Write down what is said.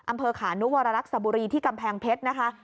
อำเภอขานุวรรรักษบุรีที่กำแพงเพชรนะคะ